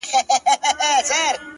• ځوان ولاړ سو؛